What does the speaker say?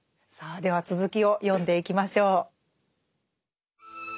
さあでは続きを読んでいきましょう。